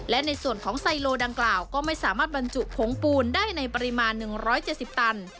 และในส่วนของไซโลดังกล่าวก็ไม่สามารถบรรจุผงปูนได้ในปริมาณ๑๗๐ตัน